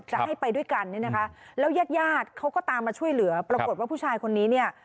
จะให้ไปด้วยกันเนี่ยนะคะแล้วยาดเขาก็ตามมาช่วยเหลือปรากฏว่าผู้ชายคนนี้เนี่ย